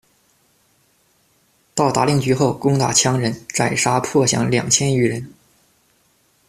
到达令居后，攻打羌人，斩杀迫降两千余人。